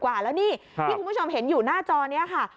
กว่าแล้วนี่ที่คุณผู้ชมเห็นอยู่หน้าจอนี้ค่ะ